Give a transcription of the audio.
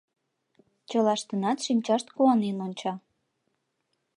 Чылаштынат шинчашт куанен онча.